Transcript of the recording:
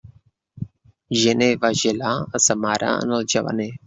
Gener va gelar a sa mare en el llavaner.